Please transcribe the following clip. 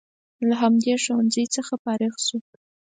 له همدغه ښوونځي څخه فارغ شو.